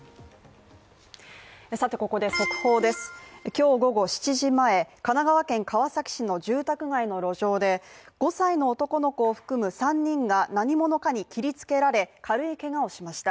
さてここで速報です今日午後７時前、神奈川県川崎市の住宅街の路上で、５歳の男の子を含む３人が何者かに切り付けられ軽いけがをしました。